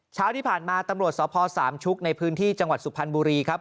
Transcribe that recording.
เช้าที่ผ่านมาตำรวจสพสามชุกในพื้นที่จังหวัดสุพรรณบุรีครับ